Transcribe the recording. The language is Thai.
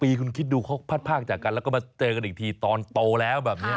ปีคุณคิดดูเขาพัดภาคจากกันแล้วก็มาเจอกันอีกทีตอนโตแล้วแบบนี้